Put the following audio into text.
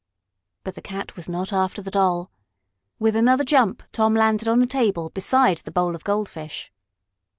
But the cat was not after the Doll. With another jump Tom landed on the table beside the bowl of goldfish.